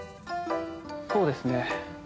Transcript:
そうですね。